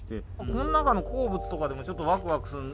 この中の鉱物とかでもちょっとワクワクする。